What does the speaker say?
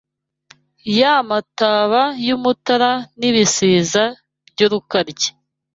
Y'amataba y'Umutara N'ibisiza by'Urukaryi